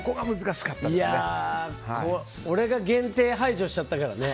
俺が限定、排除しちゃったからね。